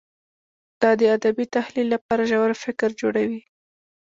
دا د ادبي تحلیل لپاره ژور فکر جوړوي.